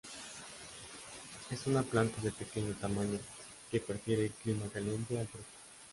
Es una planta de pequeño tamaño que prefiere el clima caliente al fresco.